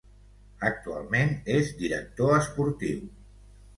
Actualment és director esportiu.